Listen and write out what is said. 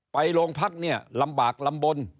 ไปโรงพักลำบากลำบน